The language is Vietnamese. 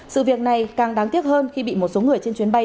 sự việc này càng đáng tiếc hơn khi bị một số người trên chuyến bay